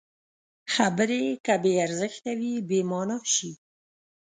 خبرې که بې ارزښته وي، بېمانا شي.